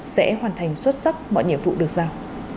sẽ hoàn thành xuất sắc mọi nhiệm vụ được giao